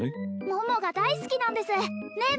桃が大好きなんですねっ？